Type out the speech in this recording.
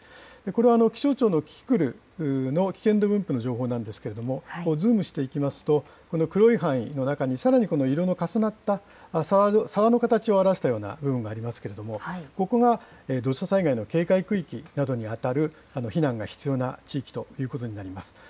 これは気象庁のキキクルの危険度分布の情報なんですけれども、ズームしていきますと、この黒い範囲の中に、さらにこの色の重なった沢の形を表したような部分がありますけれども、ここが土砂災害の警戒区域などに当たる避難が必要な地域ということになります。